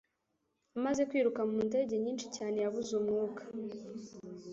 Amaze kwiruka mu ndege nyinshi cyane, yabuze umwuka.